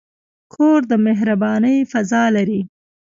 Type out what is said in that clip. کور د مهربانۍ فضاء لري.